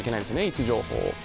位置情報を。